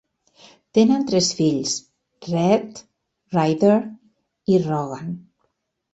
Tenen tres fills: Rhett, Ryder i Rogan.